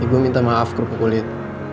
ibu minta maaf kerupuk kulit